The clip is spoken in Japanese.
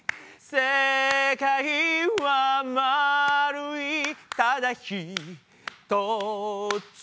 「せかいはまるいただひとつ」